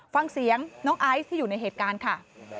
ฟังเสียงน้องไอซ์ที่อยู่ในเหตุการณ์ค่ะ